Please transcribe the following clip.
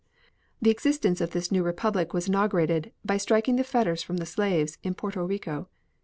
The existence of this new Republic was inaugurated by striking the fetters from the slaves in Porto Rico.